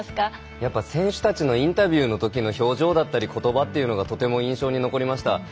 やっぱり選手たちのインタビューのときの表情だったり言葉というのがとても印象に残りました。